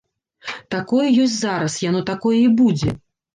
Такое ёсць зараз, яно такое і будзе.